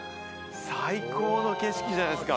最高の景色じゃないですか？